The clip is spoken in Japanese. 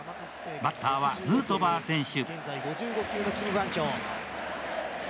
バッターはヌートバー選手。